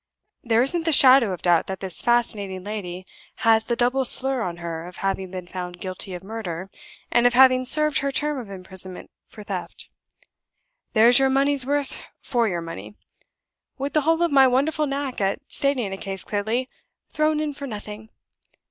There isn't the shadow of a doubt that this fascinating lady has the double slur on her of having been found guilty of murder, and of having served her term of imprisonment for theft. There's your money's worth for your money with the whole of my wonderful knack at stating a case clearly, thrown in for nothing.